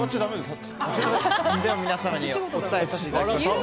では皆さんにお伝えさせていただきます。